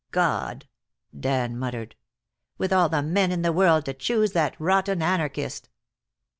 "God!" Dan muttered. "With all the men in the world, to choose that rotten anarchist!"